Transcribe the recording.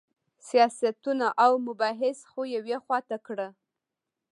سیاستونه او مباحث خو یوې خوا ته کړه.